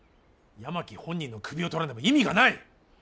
山木本人の首を取らねば意味がない。